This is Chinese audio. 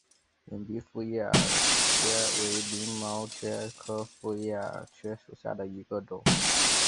漾濞复叶耳蕨为鳞毛蕨科复叶耳蕨属下的一个种。